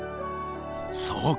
そうか！